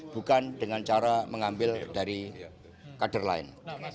bukan dengan cara mengambil dari kader lain